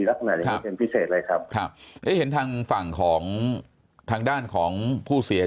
และไม่เป็นพิเศษเลยครับเห็นทางฝั่งของทางด้านของผู้เสีย